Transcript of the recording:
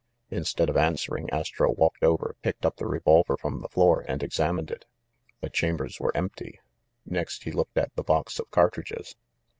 Instead of answering, Astro walked over, picked up the revolver from the floor, and examined it. The chambers were empty. Next, he looked at the box of cartridges.